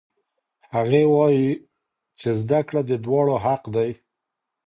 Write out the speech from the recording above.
هغې وایي چې زده کړه د دواړو حق دی.